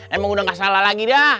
emang udah gak salah lagi dah